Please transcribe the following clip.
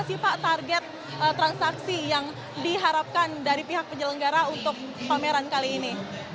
apa sih pak target transaksi yang diharapkan dari pihak penyelenggara untuk pameran kali ini